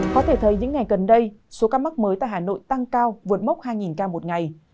có thể thấy những ngày gần đây số ca mắc mới tại hà nội tăng cao vượt mốc hai ca một ngày